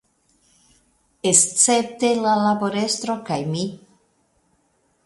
Escepte la laborestro kaj mi.